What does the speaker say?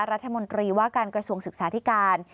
รัฐมนตรีว่าการกระทรวงศึกษาธิการ